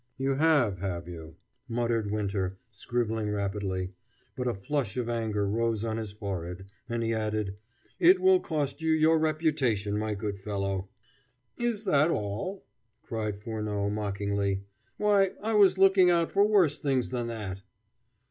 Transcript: "You have, have you?" muttered Winter, scribbling rapidly; but a flush of anger rose on his forehead, and he added: "It will cost you your reputation, my good fellow!" "Is that all?" cried Furneaux mockingly. "Why, I was looking out for worse things than that!"